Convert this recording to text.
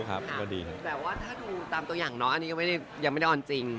แต่ว่าถ้าดูตามตัวอย่างน้องอันนี้ก็ยังไม่ได้ออนจริง